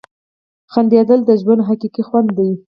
• خندېدل د ژوند حقیقي خوند دی.